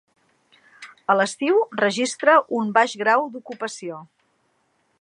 A l'estiu registra un baix grau d'ocupació.